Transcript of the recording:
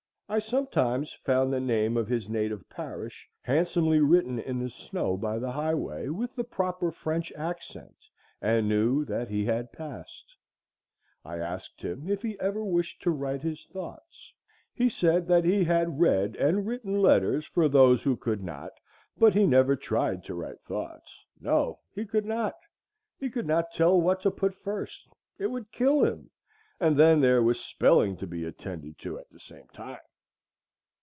I sometimes found the name of his native parish handsomely written in the snow by the highway, with the proper French accent, and knew that he had passed. I asked him if he ever wished to write his thoughts. He said that he had read and written letters for those who could not, but he never tried to write thoughts,—no, he could not, he could not tell what to put first, it would kill him, and then there was spelling to be attended to at the same time!